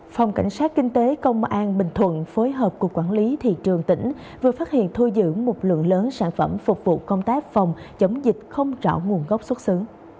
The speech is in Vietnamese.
phòng cảnh sát kinh tế công an bình thuận phối hợp cục quản lý thị trường tỉnh vừa phát hiện thu giữ một lượng lớn sản phẩm phục vụ công tác phòng chống dịch không rõ nguồn gốc xuất xứ